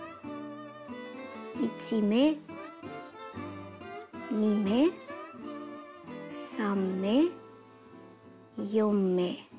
１目２目３目４目。